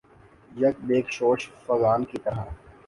یک بیک شورش فغاں کی طرح